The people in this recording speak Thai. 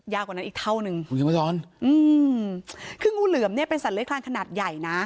ยากกว่านั้นอีกเท่านึงคืองูเหลือมเนี่ยเป็นสัตว์เลขลานขนาดใหญ่นะ